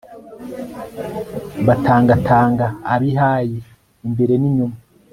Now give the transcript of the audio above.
batangatanga ab'i hayi imbere n'inyuma